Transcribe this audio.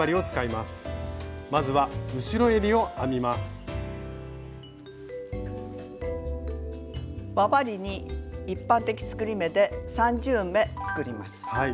まずは輪針に一般的作り目で３０目作ります。